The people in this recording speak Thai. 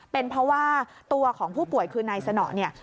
เป็นเพราะว่าตัวของผู้ป่วยคือนายสนอเนี่ย